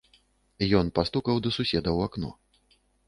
Ён пастукаў да суседа ў акно.